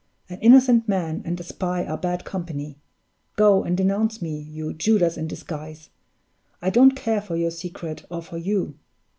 An innocent man and a spy are bad company. Go and denounce me, you Judas in disguise! I don't care for your secret or for you.